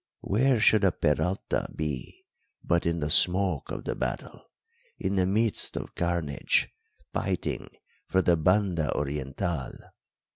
Where should a Peralta be but in the smoke of the battle, in the midst of carnage, fighting for the Banda Orientál?